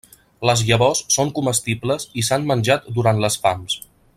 Les llavors són comestibles i s'han menjat durant les fams.